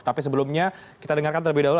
tapi sebelumnya kita dengarkan terlebih dahulu